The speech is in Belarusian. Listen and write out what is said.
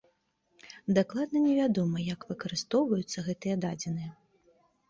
Дакладна не вядома, як выкарыстоўваюцца гэтыя дадзеныя.